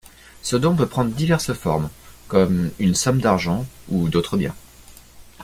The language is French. Ce don peut prendre diverses formes, comme une somme d’argent ou d’autres biens.